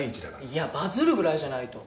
いやバズるぐらいじゃないと。